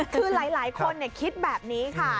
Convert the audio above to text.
คือหลายคนคิดแบบนี้ค่ะ